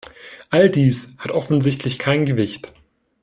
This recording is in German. All dies hat offensichtlich kein Gewicht.